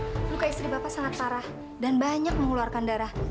luka istri bapak sangat parah dan banyak mengeluarkan darah